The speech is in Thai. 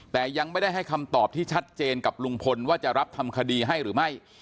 แต่ยังไม่ได้ให้คำตอบที่ชัดเจนกับลุงพลว่าจะรับทำคดีให้หรือไม่